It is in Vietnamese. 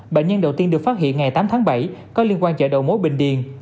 bệnh nhân đầu tiên được phát hiện ngày tám tháng bảy có liên quan chợ đầu mối bình điền